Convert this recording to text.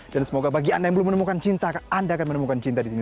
dan semoga bagi anda yang belum menemukan cinta anda akan menemukan cinta di sini